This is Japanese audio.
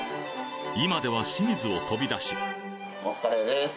今では清水を飛び出しもつカレーです。